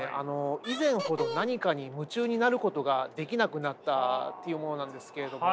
以前ほど何かに夢中になることができなくなったっていうものなんですけれども。